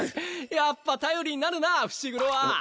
やっぱ頼りになるなぁ伏黒は。